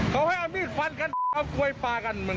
ขอให้เอามีดฟั่นกันครับไกวปลากันมึง